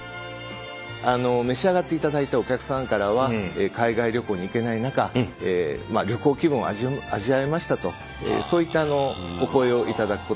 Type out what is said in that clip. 召し上がっていただいたお客さんからは海外旅行に行けない中旅行気分を味わえましたとそういったお声を頂くこともございました。